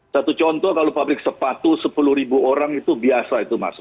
satu contoh kalau pabrik sepatu sepuluh orang itu biasa itu masuk